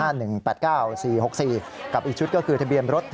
อ๋อสุมัสออกมาหน่อยอีกนิด